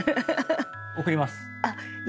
送ります。